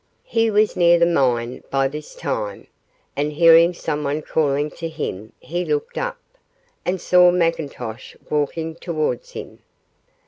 He was near the mine by this time, and hearing someone calling to him he looked up, and saw McIntosh walking towards him.